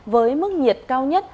với mức nhiệt cao nhất